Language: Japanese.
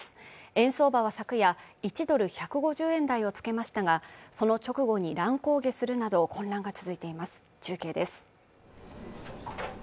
円相場は昨夜１ドル＝１５０円台をつけましたがその直後に乱高下するなど混乱が続いています中継です